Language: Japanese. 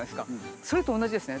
それと同じですね。